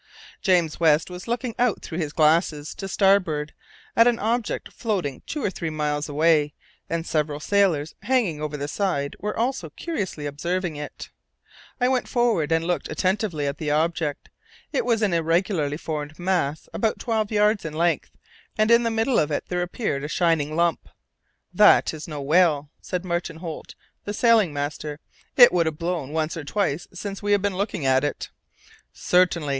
James West was looking out through his glasses to starboard at an object floating two or three miles away, and several sailors, hanging over the side, were also curiously observing it. I went forward and looked attentively at the object. It was an irregularly formed mass about twelve yards in length, and in the middle of it there appeared a shining lump. "That is no whale," said Martin Holt, the sailing master. "It would have blown once or twice since we have been looking at it." "Certainly!"